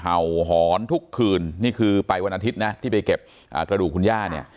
เห่าหอนทุกคืนนี่คือไปวันอาทิตย์นะที่ไปเก็บกระดูกคุณย่าเนี่ย